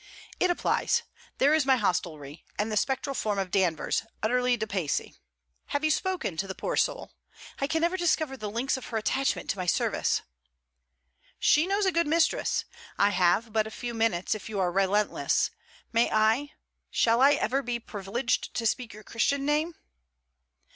'It applies. There is my hostelry, and the spectral form of Danvers, utterly depaysee. Have you spoken to the poor soul? I can never discover the links of her attachment to my service.' 'She knows a good mistress. I have but a few minutes, if you are relentless. May I..., shall I ever be privileged to speak your Christian name?'